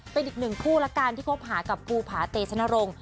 เป็นอีกหนึ่งคู่ละกันที่คบหากับภูผาเตชนรงค์